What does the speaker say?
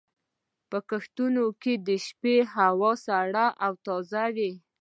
په کښتونو کې د شپې هوا سړه او تازه وي.